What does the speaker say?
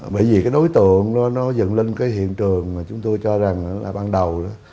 bởi vì cái nối tượng nó dựng lên cái hiện trường mà chúng tôi cho rằng là ban đầu